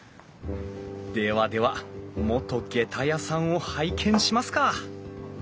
ではでは元げた屋さんを拝見しますか！